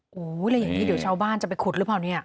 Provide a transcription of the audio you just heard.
โอ้โหแล้วอย่างนี้เดี๋ยวชาวบ้านจะไปขุดหรือเปล่าเนี่ย